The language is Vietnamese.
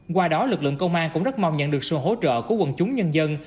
qua đó lực lượng công an cũng rất mong nhận được sự hỗ trợ của quần chúng nhân dân